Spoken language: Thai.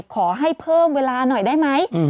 ขอให้เพิ่มเวลาหน่อยได้ไหม